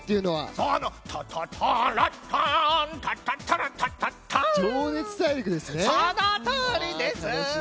そのとおりです。